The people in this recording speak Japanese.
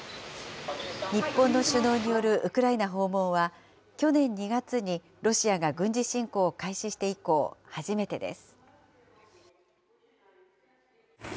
日本の首脳によるウクライナ訪問は、去年２月にロシアが軍事侵攻を開始して以降、初めてです。